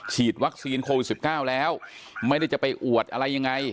ฉีดวัคซีนโควิด๑๙แล้วไม่ได้จะไปอวดอะไรยังไง